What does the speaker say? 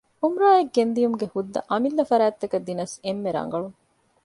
ޢުމްރާއަށް ގެންދިޔުމުގެ ހުއްދަ އަމިއްލަ ފަރާތްތަކަށް ދިނަސް އެންމެ ރަގަޅު